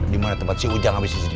di mana tempat si ujang abis isi dinding